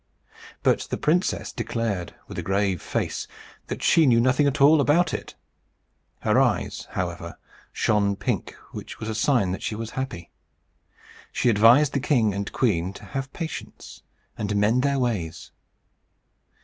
But the princess declared, with a grave face, that she knew nothing at all about it. Her eyes, however, shone pink, which was a sign that she was happy. She advised the king and queen to have patience, and to mend their ways.